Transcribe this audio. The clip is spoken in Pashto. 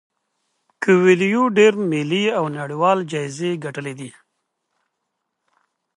کویلیو ډیر ملي او نړیوال جایزې ګټلي دي.